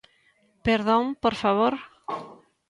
Perdón, por favor.